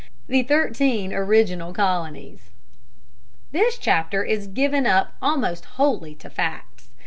THE THIRTEEN ORIGINAL COLONIES. This chapter is given up almost wholly to facts.